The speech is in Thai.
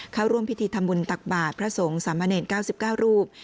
เข้าร่วมพิธีทำบุญตักบาทพระสงฆ์สามเณร๙๙รูป